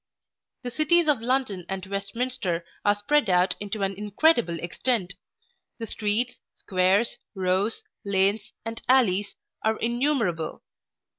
The cities of London and Westminster are spread out into an incredible extent. The streets, squares, rows, lanes, and alleys, are innumerable.